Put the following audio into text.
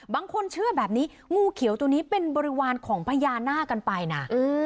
บางคนเชื่อแบบนี้งูเขียวตัวนี้เป็นบริวารของพญานาคกันไปนะ